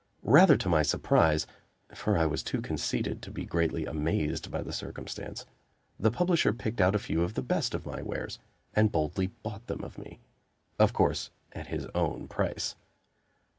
Rather to my surprise (for I was too conceited to be greatly amazed by the circumstance), the publisher picked out a few of the best of my wares, and boldly bought them of me of course, at his own price.